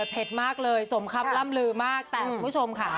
เผ็ดมากเลยสมคำล่ำลือมากแต่คุณผู้ชมค่ะ